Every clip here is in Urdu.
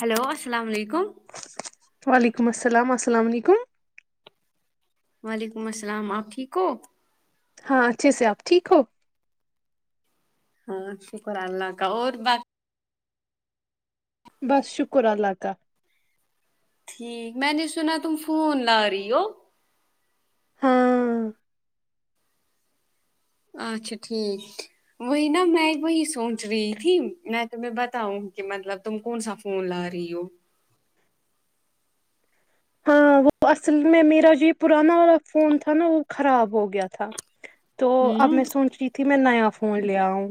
ہلو السلام علیکم وعلیکم السلام السلام علیکم وعلیکم السلام آپ ٹھیک ہو ہاں اچھے سے آپ ٹھیک ہو ہاں شکر اللہ کا اور ب بس شکر اللہ تال ٹھیک میں نے سنا تم فونون لا رہی ہو ہاں اچھا ٹھیک وہی نا میں وہی سوچ رہی تھی میں تمہیں بتاؤں کہ مطلب تم کون سا فون لا رہی ہو ہاں وہ اصل میں میرا جو پراناا فون تھا نا وہ خراب ہو گیا تھا تو اب ہوں میں سن رہی تھی میں نیا فون لے آؤوںں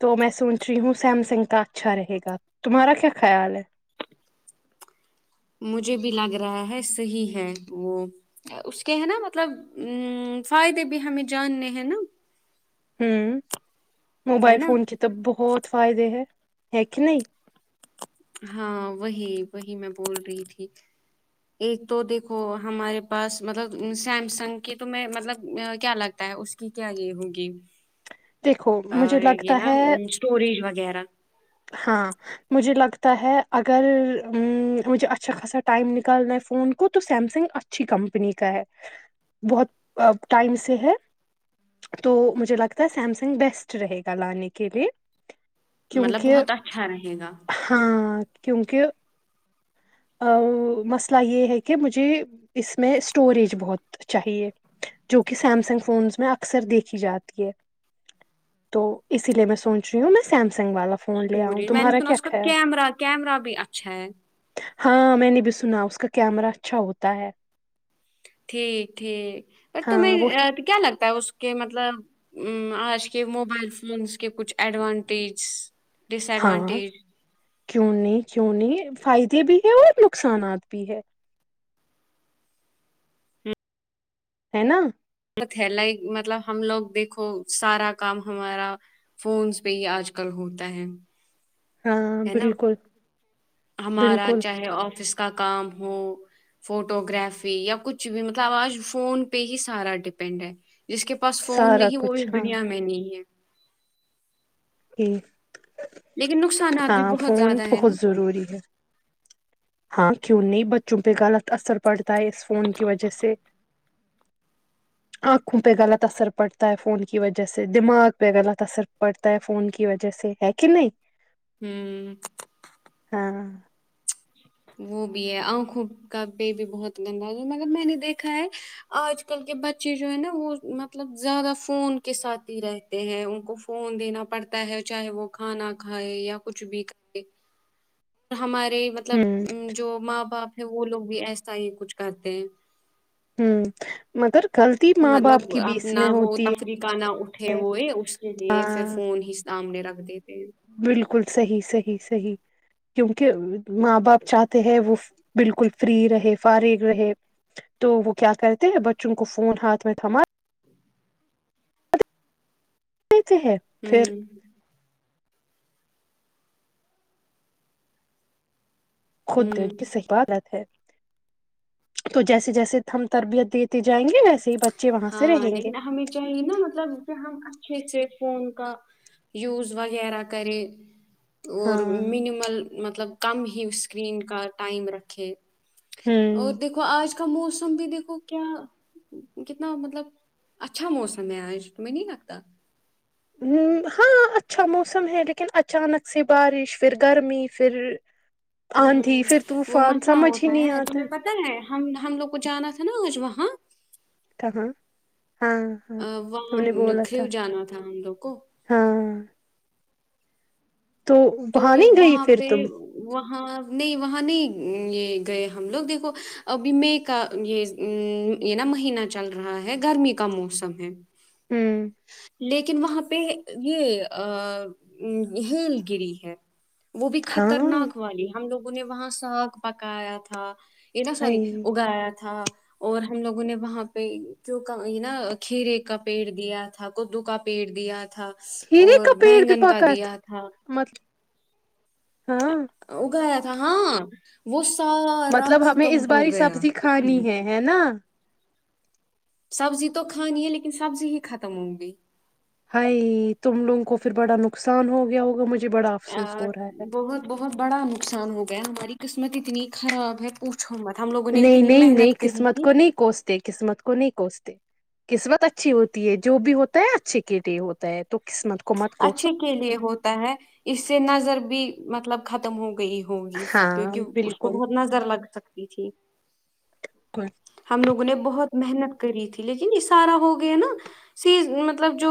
تو میں سوچ رہی ہوں سیمسنگ کا اچھا رہے گا تمہارا کیا خیال ہے مجھے بھی لگ رہا ہے صحیح ہے وہ اس کے ہے نا مطلب ا فائدے بھی ہمیں جاننے ہیں نا ہوں ہے موبائل نا فون کے تو بہت فائدے ہیں ہ کہ نہیں ہاں وہی وہی میں بول رہی تھی ایک تو دیکھو ہمارے پاس مطلب سیمسنگ کی تو میں مطلب کیا لگتا ہے اس کی کیا یہ ہوگی دیکھو مجھے اور یہ لگتا نا ہے اسٹوریج وغیرہ ہاں مجھے لگتا ا مجھ اھ ٹ ف کو تو سیسنگ اچھی کنی کا بہت ٹ سے ہے تو مجھ ل سیمسنگ بیسٹ رہے گا لانے کے لیے مطلب کیونکہ بہت اچھا رہے گا ہاں کیونکہ ا مسئلہ یہ ہے کہ مجھے اس میں اسٹوریج بہت چاہیے جو کہ سیمسنگ فونس میں اکثر دیکھی جاتی ہے تو اسی لیے میں سوچ رہی ہوں میں سیمسنگ والا ہ اسٹوریج میں نے سنا اس کا کیمرہ کیمرہ بھی اچھا ہے ہاں میں نے بھی سنا اس کا کیمرہ اچھا ہوتا ہے ٹھیک ٹھیک اور ہاں وہ تیں کیا لگتا تو اس کے مطلب ا آج کے موبائل فونس کے کچھ ایڈوانٹیج ڈس ہاں ایڈوانٹیج کیوں نہیں کیوں نہیں فائدے بھی ہے اور نقصانات بھی ہے ہے نا ہے لائک مطلب ہم لوگ دیکھو سارا کام ہمارا فون پہ ہی آج کل ہوتا ہے ہاں ہے نا بالکل ہمارا بالکل چاہے آفس کا کام ہو فوٹو گرافی یا کچھ بھی مطلب آج فون پہ ہی سارا ڈیپینڈ ہے جس کے پاس فون سارا نہیں وہ بھی کچھ اس ہاں دنیا میں نہیں ہے ہٹ لیکن [unintelligible] نقصانات بھی ہاں بہت فون زیادہ ہے نا بہت ضروری ہے ہاں کیوں نہیں بچوں پہ غلط اثر پڑتا تا اس فون کی وجہ سے آنکھوں پہ غلط اثر پڑتا ہے فون کی وجہ سے دماغ پہ غلط اثر پڑتا ہے فون کی وجہ سے ہے کہ نہیں ھمم ہاں وہ بھی ہے آنکھوں کا پے بھی بہت گداز ہے مگر میں نے دیکھا ہے آج کل کے بچے جو ہے نا وہ مطلب زیادہ فون کے ساتھ ہی رہتے ہیں ان کو فون دینا پڑتا ہے چاہے وہ کھانا کھائے یا کچھ بھی کھائے ہمارے مطلب ہوں ا جو ماں باپ ھر وہ لوگ بھی ایسا ہی کچھ کرتے ہیں ھمم مگر غلطی ماں باپ مطلب کے بیچ اپنا میں وہ ہوتی ہے تفریقہ نہ اٹھے ہوئے اس کے لیے پھر ہاں فون ہی سامنے رکھ دی تھے صحی کیونکہ ماں باپ چاہتے ہیں وہ بالکل فری رہے فارغ رہے تو وہ کیا کرتے بچوں کو فون ہاتھ میں تھما دیتے ہیں پھر ہوں خود د ہوں کی سے عبادت ہے تو جیسے جیسے ہم ہم تربیت دیتے جائیں گے ویسے ہی بچے وہاں سے ہاں رہیں گے لیکن ہمیں چاہیے نا مطلب کہ ہم اچھے سے فون کا یوز وغیرہ کرے اور ہاں منیمل مطلب کم ہی اسکرین کا ٹائم رکھے اور ہوں دیکھو آج اس کا موسم بھی دیکو کیا کتنا مطلب اچھا موسم ہے آج تمہیں نہیں لگتا ہ ہاں اچھا موسم ہے لیکن اچانک سے بارش پھر گرمی پھر ہ آندھی پھر وہ طوفان مسئلہ سمجھ ہی ہوتا نہیں ہے آتا تمہیں پتہ ہے ہم ہم لوگ کو جانا تھا نا آج وہاں ہاں ہاں ہاں ا تم وہاں نے بولا کریو تھا جانا تھا ہم لوگ کو ہاں تو نہیں گئی وہاں پھر پہ تم وہاں نہیں وہاں نہیں یہ گئے ہم لوگ دیکھو ابھی مے کا یہ یہ نا مہینہ چل رہا ہے گرمی کا موسم ہے ہوں لیکن وہاں پہ یہ ہیھیل گیری [inaudible] وہ بھی ہاں خطرناک والی ہم لوگ ان نے وہاں ساک پکایا تھا یہ نا ساری ہائی اگایا تھا اور ہم لوگوں نے وہاں پہ کیوںک یہ نا کھیرے کا پیڑ دیا تھا کدو کا پیڑ دیا تھا ک اور کا پیٹ بھی بینگن کا پکت دیا تھا مطل اگایا ہاں وہ سارا مطلب ہمیں ختم اس ہو باری گیا سبزی اس کی کھانی وجہ ہے سے ہے نا سبزی تو کھانی ہے لیکن سبزی ہی ختم ہوں گی ہائی تم لوگوں کو پھر بڑا نقصان ہو گیا ہوگا مجھے بڑا ا افسوس ہو رہا ہے بہت بہت بڑا نقصان ہو گیا ہماری قسمت اتنی خراب ہے پو نہیں نہیں نہیں قسمت کو نہیں کوستے قسمت کو نہیں کوستے قسمت اچھی ہوتی ہے جو بھی ہوتا ہے اچھے کے لیے ہوتا ہے تو قسمت کو مت کوسو اچھے کے لیے ہوتا ہے اس سے نظر بھی مطلب ختم ہوگیا گئی ہوگی ہاں کیونکہ اس کو بالکل بہت نظر لگ سکتی ج ھییک بالکل ہم لوگوں نے بہت محنت کری تھی لیکن یہ سارا ہو گیا نا سی مطلب جو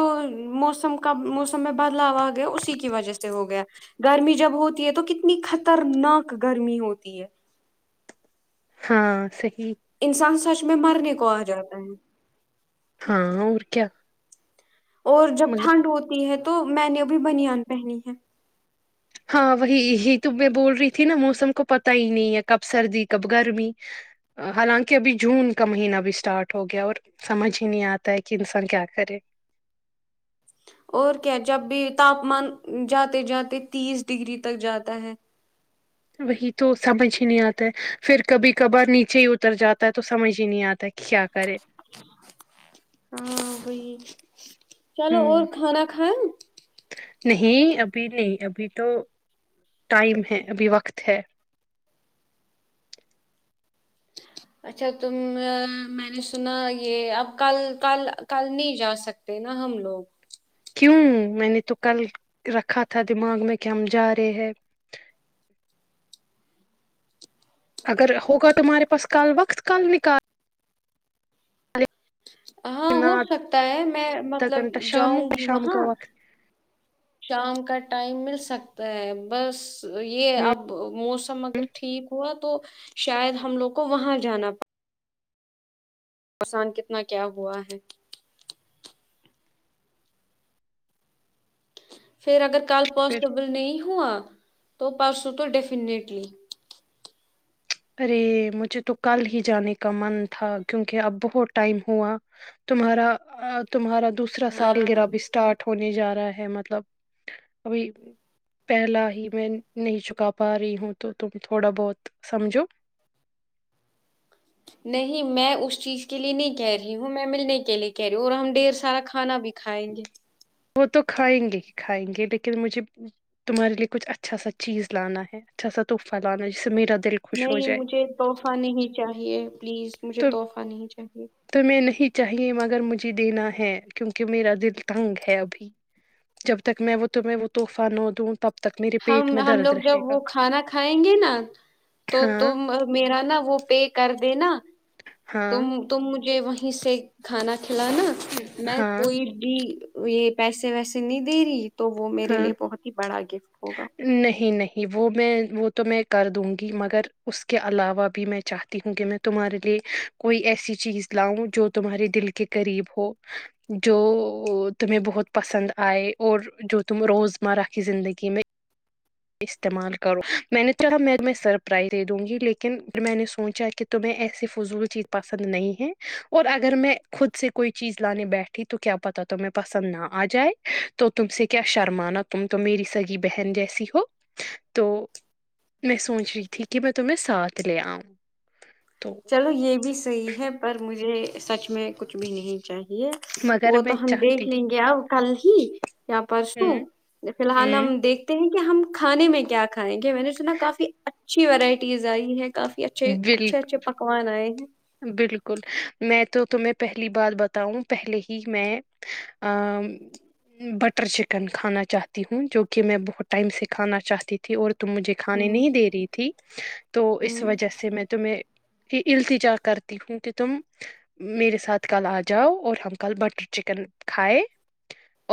موسم کا موسم میں بدلاو آ گیا اسی کی وجہ سے ہو گیا گرمی جب ہوتی ہے تو کتنی خطرناک گرمی ہوتی ہے ہاں سیک انسان سچ اس میں مرنے کو آ جاتا ہے ہاں اور کیا اور جب مگر ٹھنڈ ہوتی ہے تو میں نے ابھی بنان پہنی ہے ہاں وہی یہی تو میں بول رہی تھی نا موسم کو پتا ہی نہیں ہے کب سردی کب گرمی حالانکہ ابھی جون کا مہینہ بھی اسٹارٹ ہو گیا اور سمجھ ہی نہیں آتا ہے کہ انسان کیا کرے اور کیا جب بھی تاپمان جاتے جاتے تیس ڈگری تک جاتا ہے وہی تو سمجھ ہی نہیں آتا ہے پھر کبھی کبھار نیچے ہی اتر جاتا ہے تو سمجھ ہی نہیں آتا کہ کیا کرے ہاں وہی ج [unintelligible] [inaudible] چلو اور ہوں کھانا کائیں نہیں ابھی نہیں ابھی تو ٹائم ہے ابھی وقت ہے اچھا تم میں نے سنا یہ اب کل کل کل نہیں جا سکتے نا ہم لوگ کیوں میں نے تو کل رکھا تھا دماغ میں کہ ہم جا رہے ہیں اگر ہوگا تمہارے پاس کل وقت کل نکال ہاں ہو لینا، سکتا ہے میں آدھا مطلب گھنٹہ شام جاؤں گی شام وہاں کا وقت شام کا ٹائم مل سکتا ہے بس یہ ہوں اب موسم اگر ٹھیک ہوت تو شاید ہم لوگ کو وہاں جانا پڑ آسان کتنا کیا ہوا ہے پھر اگر کل پھر پاسیبل نہیں ہوا تو پرسو تو ڈیفینٹلی ارے مجھے تو کل ہی جانے کا من تھا کیونکہ اب بہت ٹائم ہوا تمہارا تمہارا دوسرا سال گرا ہاں بھی اسٹارٹ ہونے جا رہا ہے ہے مطلب ابھی پہلا ہی میں نہیں چکا پا رہی ہوں تو تم تھوڑا بہت سمجھو نہیں میں اس چیز کے لیے نہیں کہہ رہی ہوں میں ملنے کے لیے کہہ رہی ہوں اور ہم ڈھیر سارا کھانا بھی کھائیں گے وہ تو کھائیں گے ہی کھائیں گے لیکن مجھے تمہارے لیے کچھ اچھا سا چیز لانا ہے اچھا سا تحفہ لانا جسے میرا دل خوش ہو نہیں جائے مجھے تحفہ نہیں چاہیے پلیز مجھے تو تحفہ نہیں چاہیے تمہیں نہیں چاہیے مگر مجھے دینا ہے کیونکہ میرا دل تنگ ہے ہے ابھی جب تک میں وہ تو میں وہ تحفہ نہ دوں تب تک میرے ہم پیٹ میں ہم درد لوگ رہے جب گا وہ کھانا کھائیں گے نا تو ہاں تم میرا نا وہ پے کر د نا ت ہاں تمج [unintelligible] وہیں سے کھانا کلاانا میں ہاں کوئی بھی یہ پیسے ویسے نہیں دے رہی تو وہ میرے ہاں لیے بہت ہی بڑا گفٹ ہوگا نہیں نہیں وہ میں وہ تو میں کر دوں گی مگر اس کے علاوہ بھی میں چاہتی ہوں کہ میں تمہارے لیے کوئی ایسی چیز لاؤں جو تمہارے دل کے قریب ہو جو تمہیں بہت پسند آئے اور جو تم روز مرہ کی زندگی میں استعمال کرو میں نے چلاا میں میں سرپرائز دے دوں گی لیکن پھر میں نے سوچا کہ تمہیں ایسی فضول چیز پسند نہیں ہے اور اگر میں خود سے کوئی چیز لانے بیٹھی تو کیا پتا تمہیں پسند نہ آ جائے تو تم سے کیا شرمانا تم تو میری سگی بہن جیسی ہو تو میں سوچ رہی تھی کہ میں تمہیں ساتھ لے آؤں تو چلو یہ بھی صحیح ہے پر مجھے سچ میں کچھ بھی نہیں چاہیے مگر وہ تو میں ہم چاہتی دیکھ لیں گے اب کل ہی یا ہوں پرسوں فی الحال ہوں ہم دیکھتے ہیں کہ ہم کھانے میں کیا کھائیں گے میں نے سنا کافی اچھی ورائٹیز آئی ہے کافی اچھے اچھے بالکل اچھے نہیںائ [unintelligible] بالکل میں تو تمہ پہلی بات بتاؤں پہلے ہی میں بٹر چکن کھانا چاہتی ہوں جو کہ میں بہت ٹائم سے کھانا چاہتی تھی اور تم مجھے کھانے ہوں نہیں دے رہی تھی تو اس ہوں وجہ سے میں تمہیں یہ علتی جا کرتی ہوں کہ تم میرے ساتھ کل آ جاؤ اور ہم کل بٹر چکن کھائے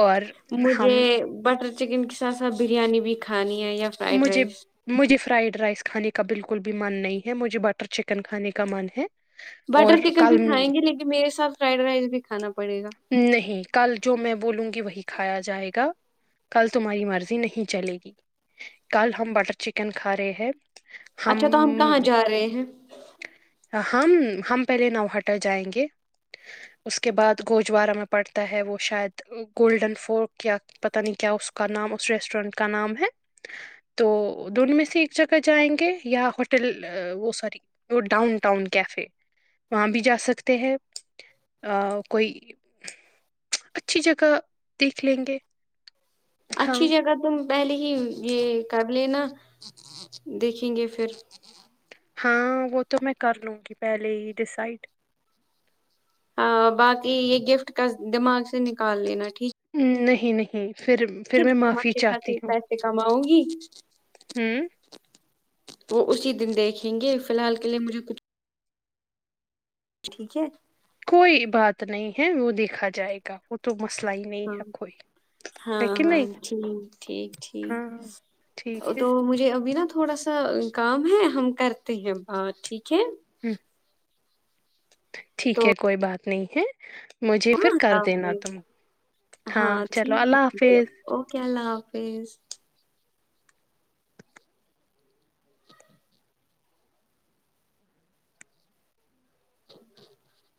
اور مجھے ہم بٹر چکن کے ساتھ ساتھ بریانی بھی کھانی ہے یا فرائڈ مجھے رائس مجھے فرائڈ رائس کھانے کا کا بالکل بھی من نہیں ہے مجھے بٹر چکن کھانے کا من ہے بٹر اور چکن بھی کل کھائیں گے لیکن میرے ساتھ فرائڈ رائس بھی کھانا پڑ نہیں کل جو میں بولوں گی وہی کھایا جائے گا کل تمہاری مرضی نہیں چلے گی کل ہم بٹر چکن کھا رہے ہیں اچھا تو ہم کہاں جا رہے ہیں ہم ہم پہلے نوہاٹہ جائیں گے اس کے بعد گوجوارہ میں پڑتا ہے وہ شاید گولڈن فورٹ یا پتہ نہیں کیا اس کا نام اس ریسٹورینٹ کا نام ہے تو دونوں میں سے ایک جگہ جائیں گے یا ہوٹل وہ سوری وہ ڈاؤن ٹاؤن کیفے وہاں بھی جا سکتے ہیں کوئی اچھی جگہ دیکھ لیں گے ہاں اچھی جگہ تم پہلے ہی یہ قبلے نا دیکھیں گے پھر ہاں وہ تو میں کر لوں گی پہلے ہی ڈسائڈ ہاں باقی یہ گفٹ کا دماغ سے نکال لینا ٹھیک نہیں نہیں پھر پھر میں فر معافی اچھیے خاصے پیسے کماؤں گی ج [unintelligible] ہاں وہ اسی دن دیکھیں گے فی الحال کے لیے مجھے کچھ ٹھیک ہے کوئی بات نہیں ہے وہ دیکھا جائے گا وہ تو مسئلہ ہی نہیں ہاں ہے کوئی ہے ہاں کہ ہاں نہیں ٹھیک ٹھیک ٹھیک ہاں ٹھیک ہے تو مجھے ابھی نا تھوڑا سا کام ہے ہم کرتے ہیں ب ٹھیک چ ہ ٹھیک ہے کوئی بات نہیں ہے مجھے ہ پھر اللہ کر دینا حافظ تم ہاں چلو ٹھیک ہے اللہ ٹھیک ہے حافظ اوکے اللہ حافظ [inaudible]